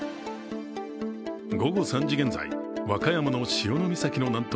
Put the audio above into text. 午後３時現在、和歌山の潮岬の南東